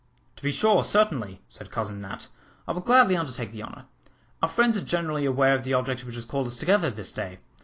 "To be sure, certainly," said Cousin Nat, "I will gladly undertake the honour. Our friends are generally aware of the object which has called us together this day.